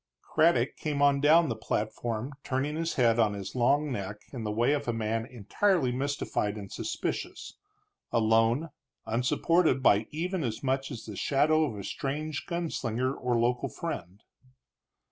Craddock came on down the platform, turning his head on his long neck in the way of a man entirely mystified and suspicious, alone, unsupported by even as much as the shadow of a strange gun slinger or local friend.